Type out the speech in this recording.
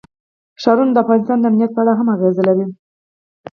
ښارونه د افغانستان د امنیت په اړه هم اغېز لري.